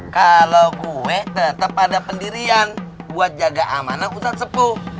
kalo gue tetep ada pendirian buat jaga amanah ustadz sepuh